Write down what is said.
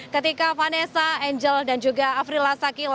ketika vanessa angel dan juga afri lasaki